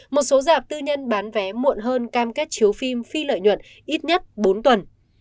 một số dạp tư nhân bán vé muộn hơn cam kết chiếu phim phi lợi nhuận ít nhất bốn tuần